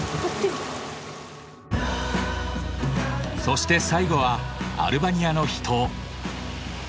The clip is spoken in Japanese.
そして最後はアルバニアの秘湯。